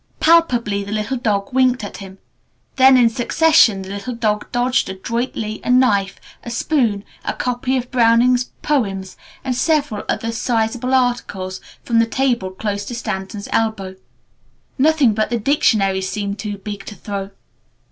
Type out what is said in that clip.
Palpably the little dog winked at him. Then in succession the little dog dodged adroitly a knife, a spoon, a copy of Browning's poems, and several other sizable articles from the table close to Stanton's elbow. Nothing but the dictionary seemed too big to throw.